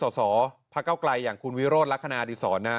แล้วจากว่าที่ส่อพระเก้าไกลอย่างคุณวิโรธลักษณาอดีตสอนนะ